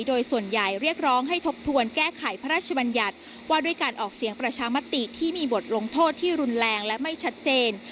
โดยส่วนใหญ่เรียกร้องให้ทบทวนแก้ไขพระราชบัญญัติว่าด้วยการออกเสียงประชามติที่มีบทลงโทษที่รุนแรงและไม่ชัดเจน